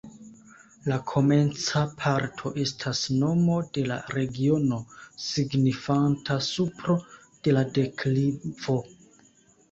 La komenca parto estas nomo de la regiono, signifanta supro de la deklivo.